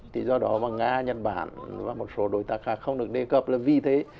thì do đó mà nga nhật bản và một số đối tác khác không được đề cập là vì thế